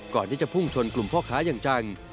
ก่อนที่จะพุ่งชนกลุ่มพ่อค้าอย่างจัง